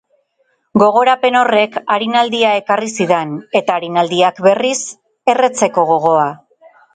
Gogorapen horrek arinaldia ekarri zidan eta arinaldiak, berriz, erretzeko gogoa.